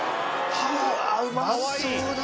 うわうまそうだ